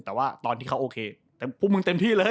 แต่ว่าตอนที่เขาโอเคแต่พวกมึงเต็มที่เลย